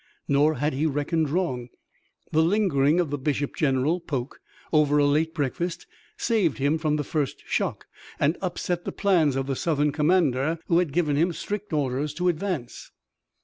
Nor had he reckoned wrong. The lingering of the bishop general, Polk, over a late breakfast saved him from the first shock, and upset the plans of the Southern commander, who had given him strict orders to advance.